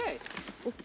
ＯＫ。